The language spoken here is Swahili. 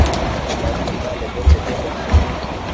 Mungu abariki bale bote beko na rima